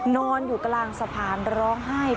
นอนอยู่กลางสะพานร้องไห้